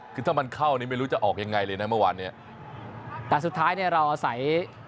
คือถ้ามันเข้านี่ไม่รู้จะออกยังไงเลยนะเมื่อวานเนี้ยแต่สุดท้ายเนี่ยเราอาศัย